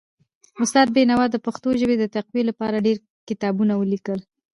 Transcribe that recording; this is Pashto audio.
استاد بینوا د پښتو ژبې د تقويي لپاره ډېر کتابونه ولیکل.